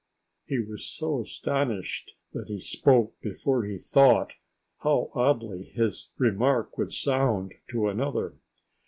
_" He was so astonished that he spoke before he thought how oddly his remark would sound to another.